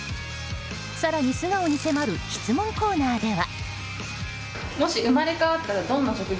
更に、素顔に迫る質問コーナーでは。